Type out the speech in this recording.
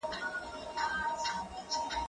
زه به اوږده موده ږغ اورېدلی وم؟!